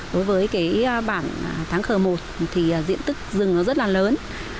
đối với cái bản tháng khờ một thì diện tức dừng nó rất là lớn